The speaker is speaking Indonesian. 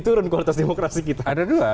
turun kualitas demokrasi kita ada dua